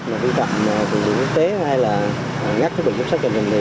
mà vi phạm vùng biển quốc tế hay là ngắt vùng biển quốc sách trần trình thì